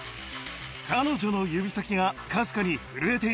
彼女の指先がかすかに震えて